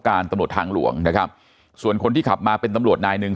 ตำรวจทางหลวงนะครับส่วนคนที่ขับมาเป็นตำรวจนายหนึ่ง